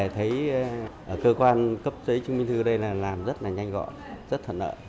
thấy cơ quan cấp giấy chứng minh thư đây là làm rất là nhanh gọn rất thuận lợi